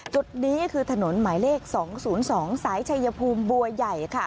จุดนี้คือถนนหมายเลข๒๐๒สายชัยภูมิบัวใหญ่ค่ะ